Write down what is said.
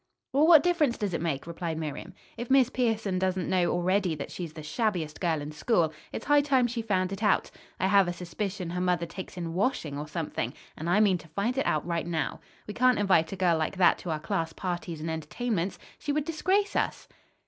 "Well, what difference does it make?" replied Miriam. "If Miss Pierson doesn't know already that she's the shabbiest girl in school, it's high time she found it out. I have a suspicion her mother takes in washing or something, and I mean to find it out right now. We can't invite a girl like that to our class parties and entertainments. She would disgrace us."